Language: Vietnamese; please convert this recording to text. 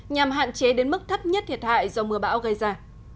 nhằm hạn chế đến mức thấp nhất thiệt hại do mưa bão gây ra